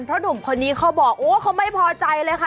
เพราะหนุ่มคนนี้เขาบอกโอ้เขาไม่พอใจเลยค่ะ